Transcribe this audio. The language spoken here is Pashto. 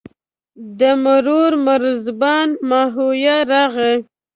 د مرو مرزبان ماهویه راغی.